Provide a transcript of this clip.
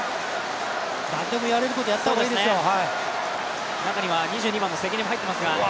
何でもやれることはやった方がいいですよ。